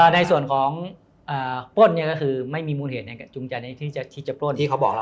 ในส่วนของปล้นก็คือไม่มีมูลเหตุในจุงจันทร์ที่จะปล้น